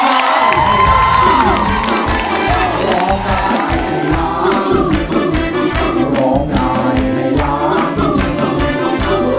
ได้ครับ